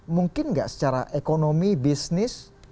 mungkin nggak secara ekonomi bisnis